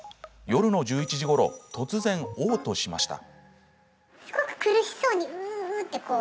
夜の１１時ごろ突然、おう吐しました。